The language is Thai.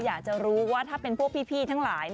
อยากจะรู้ว่าถ้าเป็นพวกพี่ทั้งหลาย